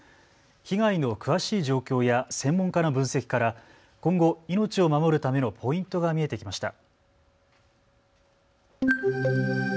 被害の詳しい状況や専門家の分析から今後、命を守るためのポイントが見えてきました。